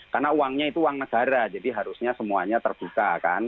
karena uangnya itu uang negara jadi harusnya semuanya terbuka kan